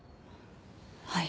はい。